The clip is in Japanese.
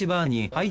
はい。